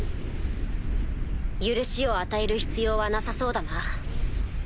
許しを与える必要はなさそうだな。